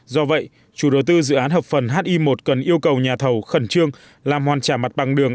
do vậy chủ đầu tư dự án hợp phần hi một cần yêu cầu nhà thầu khẩn trương làm hoàn trả mặt bằng đường